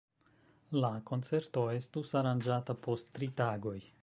La koncerto estus aranĝata post tri tagoj.